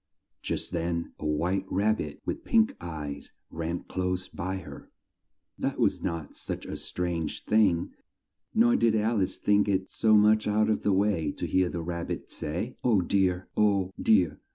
Just then a white rab bit with pink eyes ran close by her. That was not such a strange thing, nor did Alice think it so much out of the way to hear the Rab bit say, "Oh dear! Oh, dear!